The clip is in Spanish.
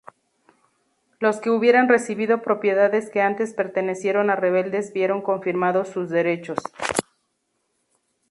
Los que hubieran recibido propiedades que antes pertenecieron a rebeldes vieron confirmados sus derechos.